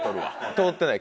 通ってない。